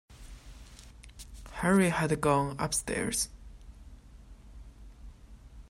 Harry had gone upstairs.